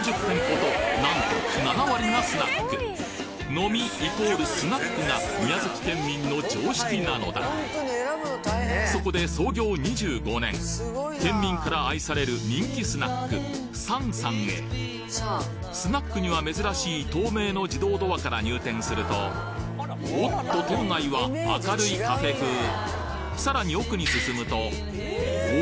飲み＝スナックが宮崎県民の常識なのだそこで創業２５年県民から愛される人気スナックＳＵＮさんへスナックには珍しい透明の自動ドアから入店するとおっと店内は明るいカフェ風さらに奥に進むとお！